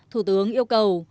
thủ tướng yêu cầu